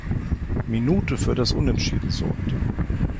Minute, für das Unentschieden sorgte.